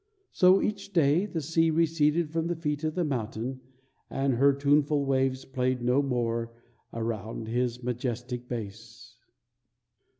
So each day the sea receded from the feet of the mountain, and her tuneful waves played no more around his majestic base.